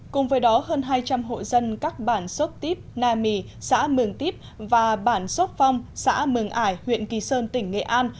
cùng với đó hơn hai trăm linh hộ dân các bản sốt tiếp na mì xã mường tiếp và bản sốc phong xã mường ải huyện kỳ sơn tỉnh nghệ an